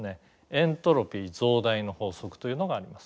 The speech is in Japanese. エントロピー増大の法則というのがあります。